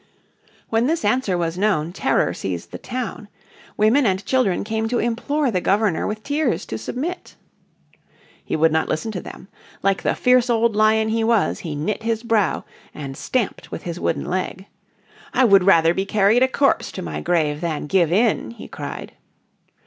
When this answer was known terror seized the town. Women and children came to implore the Governor with tears to submit. He would not listen to them. Like the fierce old lion he was he knit his brows and stamped with his wooden leg. "I would rather be carried a corpse to my grave than give in," he cried.